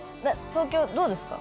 東京どうですか？